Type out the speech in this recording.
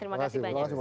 terima kasih banyak